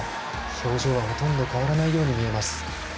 表情はほとんど変わらないように見えます。